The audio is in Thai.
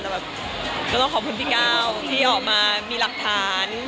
จะต้องขอบคุณพี่ก้าวที่ออกมามีหลักฐาน